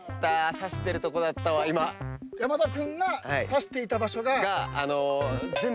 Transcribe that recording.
山田君が指していた場所が。